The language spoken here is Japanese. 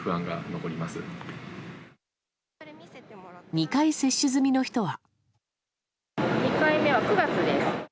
２回接種済みの人は。